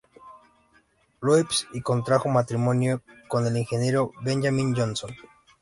Louis y contrajo matrimonio con el ingeniero Benjamin Johnson.